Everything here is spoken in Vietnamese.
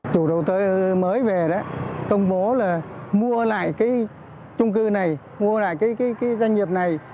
chủ đầu tư mới về đấy công bố là mua lại cái trung cư này mua lại cái doanh nghiệp này